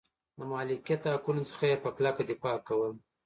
د مالکیت حقونو څخه یې په کلکه دفاع کوله.